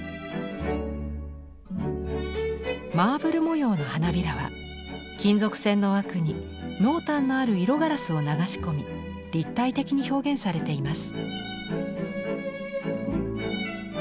マーブル模様の花びらは金属線の枠に濃淡のある色ガラスを流し込み立体的に表現されています。